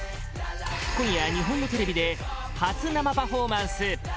今夜、日本のテレビで初生パフォーマンス